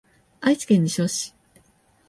愛知県西尾市